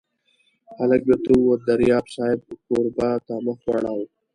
هلک بېرته ووت، دریاب صاحب کوربه ته مخ واړاوه.